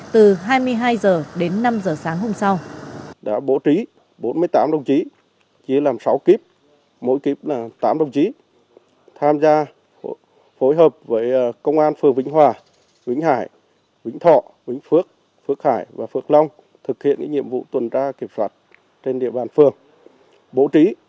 từ hai mươi hai h đến năm h sáng hôm sau